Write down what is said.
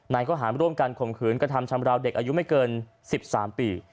ข้อหารร่วมกันข่มขืนกระทำชำราวเด็กอายุไม่เกิน๑๓ปี